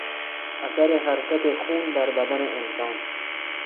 اثر حرکت خون در بدن انسان